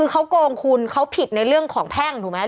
คือเขาโกงคุณเขาผิดในเรื่องของแพ่งถูกไหม